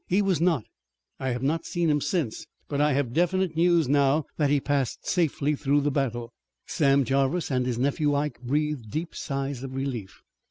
"He was not. I have not seen him since, but I have definite news now that he passed safely through the battle." Sam Jarvis and his nephew Ike breathed deep sighs of relief.